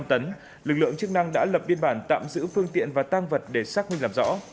lực lượng chức năng đã lập biên bản tạm giữ phương tiện và tăng vật để xác minh làm rõ